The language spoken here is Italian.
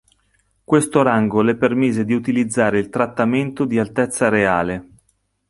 Questo rango le permise di utilizzare il trattamento di Altezza Reale.